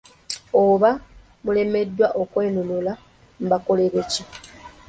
Oba mulemeddwa okwenunula mbakolere ki?